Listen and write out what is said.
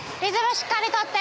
しっかり取って！」